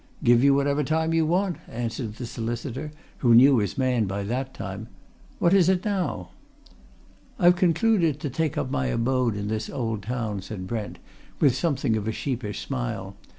"Give you whatever time you want," answered the solicitor, who knew his man by that time. "What is it now?" "I've concluded to take up my abode in this old town," said Brent, with something of a sheepish smile.